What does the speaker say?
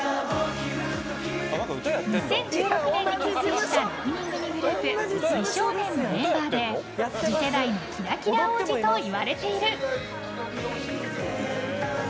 ２０１６年に結成した６人組グループ美少年のメンバーで次世代キラキラ王子といわれている。